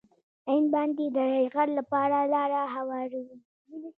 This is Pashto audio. هند باندې د یرغل لپاره لاره هواروي.